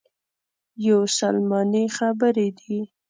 یوه سلماني خبرې دي.